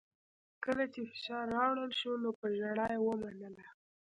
کله چې فشار راوړل شو نو په ژړا یې ومنله